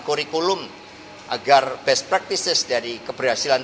kurikulum agar best practice an keberhasilan